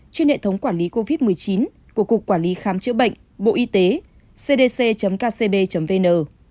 trên hệ thống quản lý covid một mươi chín của cục quản lý khám chữa bệnh bộ y tế cdc kcb vn